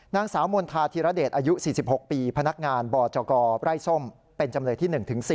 นางสาวมณฑาธิรเดชอายุ๔๖ปีพนักงานบจกไร่ส้มเป็นจำเลยที่๑๔